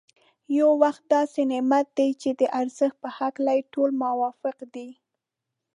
وخت یو داسې نعمت دی چي د ارزښت په هکله يې ټول موافق دی.